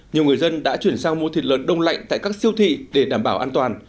nhiều người dân đã chuyển sang mua thịt lợn đông lạnh tại các siêu thị để đảm bảo an toàn